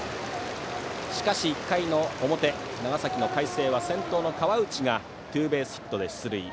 しかし１回の表、長崎の海星は先頭の河内がツーベースヒットで出塁。